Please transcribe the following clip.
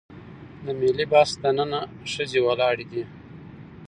د ملي بس دننه ښځې ولاړې دي.